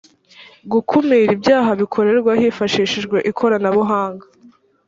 gukumira ibyaha bikorwa hifashishijwe ikoranabuhanga